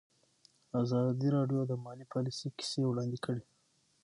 ازادي راډیو د مالي پالیسي کیسې وړاندې کړي.